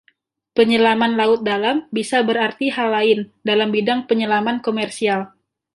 Penyelaman laut dalam bisa berarti hal lain dalam bidang penyelaman komersial.